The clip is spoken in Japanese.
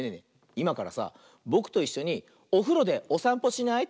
いまからさぼくといっしょにおふろでおさんぽしない？